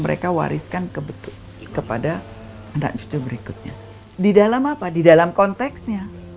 mereka wariskan ke betul kepada anak cucu berikutnya di dalam apa di dalam konteksnya